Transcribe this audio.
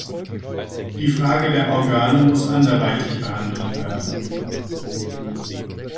Die Frage der Organe muss anderweitig behandelt werden.